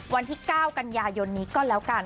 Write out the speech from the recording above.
วันที่๙กันยายนนี้ก็แล้วกัน